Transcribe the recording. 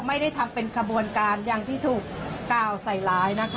ไม่ได้ทำเป็นขบวนการอย่างที่ถูกกล่าวใส่ร้ายนะคะ